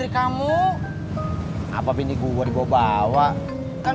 kamu udah makan